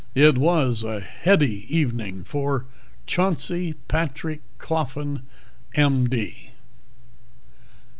It was a heady evening for Chauncey Patrick Coffin, M.D.